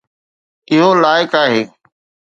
اهو لائق آهي